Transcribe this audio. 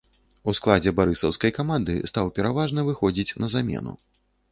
У складзе барысаўскай каманды стаў пераважна выхадзіць на замену.